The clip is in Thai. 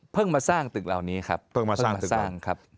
เพิ่งมาสร้างตึกเหล่านี้ครับเพิ่งมาสร้างตึกเหล่านี้ครับ